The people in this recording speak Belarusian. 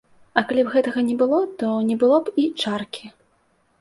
А калі б гэтага не было, то не было б і чаркі.